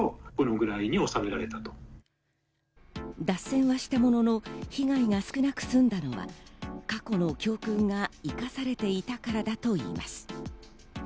脱線はしたものの、被害が少なく済んだのは過去の教訓が生かされていたからだといいます。